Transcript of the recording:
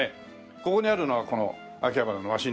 ここにあるのがこの秋葉原のワシントン